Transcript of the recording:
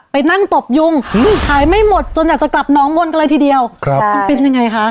ไปนั่งตบยุงขายไม่หมดจนอยากจะกลับน้องบนกันเลยทีเดียวครับคุณปินยังไงคะ